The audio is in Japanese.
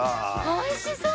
おいしそう！